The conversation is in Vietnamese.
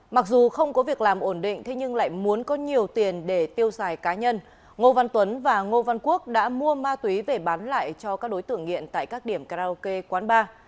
mặc dù không có việc làm ổn định thế nhưng lại muốn có nhiều tiền để tiêu xài cá nhân ngô văn tuấn và ngô văn quốc đã mua ma túy về bán lại cho các đối tượng nghiện tại các điểm karaoke quán bar